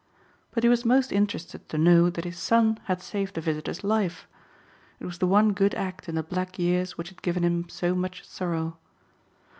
But he was most interested to know that his son had saved the visitor's life. It was the one good act in the black years which had given him so much sorrow.